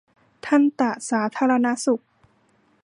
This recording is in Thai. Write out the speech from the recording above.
ทันตสาธารณสุข